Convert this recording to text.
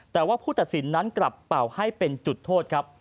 แต่ว่าผู้ตัดสินนั้นกลับเป่าให้เป็นจุดโทษครับ